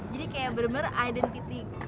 jadi kayak bener bener identity